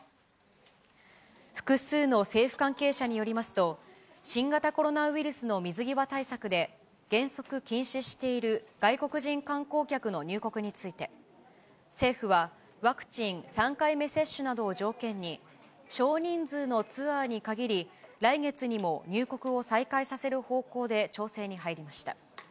複数の政府関係者によりますと、新型コロナウイルスの水際対策で、原則禁止している外国人観光客の入国について、政府は、ワクチン３回目接種などを条件に、少人数のツアーに限り、来月にも入国を再開させる方向で調整に入りました。